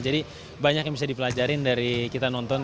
jadi banyak yang bisa dipelajari dari kita nonton